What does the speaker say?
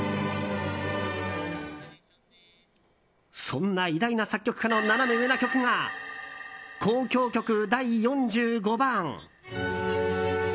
そんな偉大な作曲家のナナメ上な曲が「交響曲第４５番」。